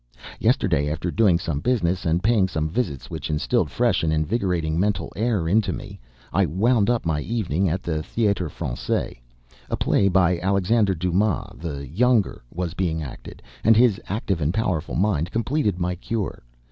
Yesterday after doing some business and paying some visits which instilled fresh and invigorating mental air into me, I wound up my evening at the Théâtre Français. A play by Alexandre Dumas the Younger was being acted, and his active and powerful mind completed my cure.